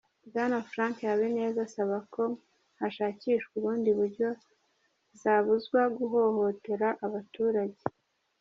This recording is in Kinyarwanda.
Bwana Franck Habineza asaba ko hashakishwa ubundi buryo zabuzwa guhohotera abaturage.